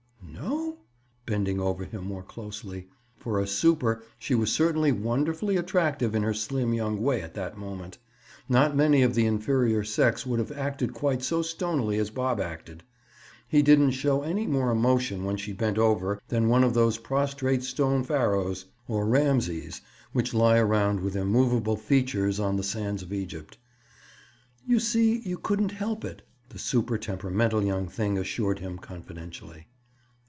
"No?" Bending over him more closely. For a "super," she was certainly wonderfully attractive in her slim young way at that moment. Not many of the inferior sex would have acted quite so stonily as Bob acted. He didn't show any more emotion when she bent over than one of those prostrate stone Pharaohs, or Rameses, which lie around with immovable features on the sands of Egypt. "You see you couldn't help it," the super temperamental young thing assured him, confidentially.